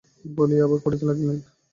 বলিয়া আবার পড়িতে লাগিলেন।